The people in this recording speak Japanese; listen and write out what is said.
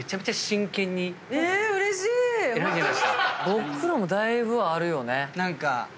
僕らもだいぶあるよね。